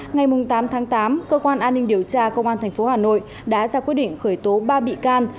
ngày tám tháng tám cơ quan an ninh điều tra công an tp hà nội đã ra quyết định khởi tố ba bị can